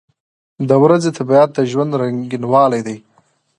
• د ورځې طبیعت د ژوند رنګینوالی دی.